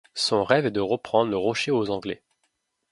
Son rêve est de reprendre le rocher aux Anglais.